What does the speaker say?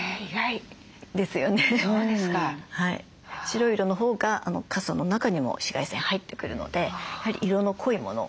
白い色のほうが傘の中にも紫外線入ってくるのでやはり色の濃いもの